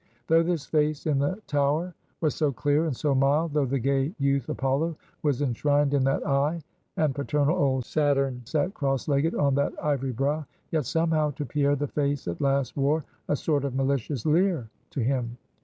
Though this face in the tower was so clear and so mild; though the gay youth Apollo was enshrined in that eye, and paternal old Saturn sat cross legged on that ivory brow; yet somehow to Pierre the face at last wore a sort of malicious leer to him.